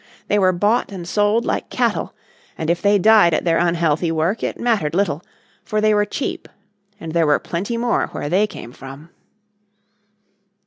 They were bought and sold like cattle, and if they died at their unhealthy work it mattered little, for they were cheap, and there were plenty more where they came from.